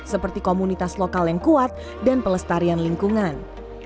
seperti komunitas lokal yang kuat dan pelestarian lingkungan